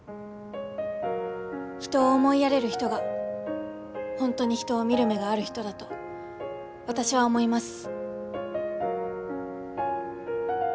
人を思いやれる人が本当に人を見る目がある人だと私は思います。